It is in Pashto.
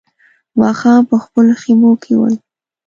ماښام په خپلو خيمو کې ول.